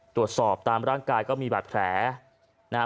ตรวจสอบตามร่างกายก็มีแบบแผลนะฮะ